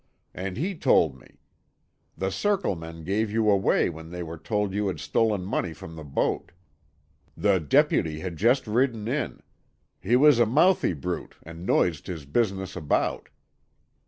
And he told me. The Circle men gave you away when they were told you had stolen money from the boat. The deputy had just ridden in. He was a mouthy brute, and noised his business about."